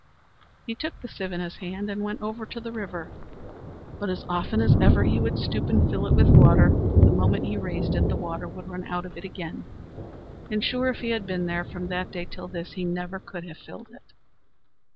He took the sieve in his hand and went over to the river, but as often as ever he would stoop and fill it with water, the moment he raised it the water would run out of it again, and sure, if he had been there, from that day till this, he never could have filled it.